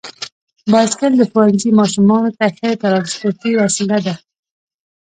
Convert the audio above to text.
بایسکل د ښوونځي ماشومانو ته ښه ترانسپورتي وسیله ده.